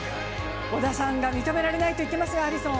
織田さんが認められないと言ってますよ、アリソン。